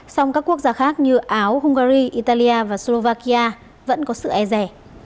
song các quốc gia khác như áo hungary italia và slovakia vẫn có sự e rè